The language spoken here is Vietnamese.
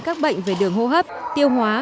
các bệnh về đường hô hấp tiêu hóa